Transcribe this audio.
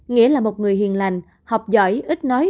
nghĩa là một người hiền lành học giỏi ít nói